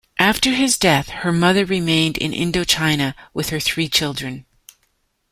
After his death, her mother remained in Indochina with her three children.